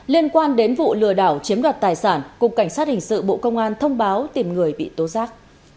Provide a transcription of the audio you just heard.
liên quan đến vụ lừa đảo chiếm đoạt tài sản cục cảnh sát hình sự bộ công an thông báo tìm người bị tố giác